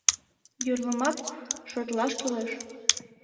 Йорлымат шотлаш кӱлеш.